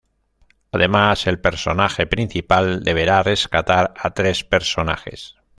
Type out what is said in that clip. Además, el personaje principal deberá rescatar a tres personajes.